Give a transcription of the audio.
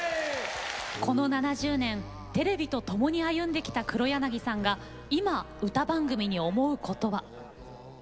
この７０年テレビとともに歩んできた黒柳さんが今、歌番組に思うことは。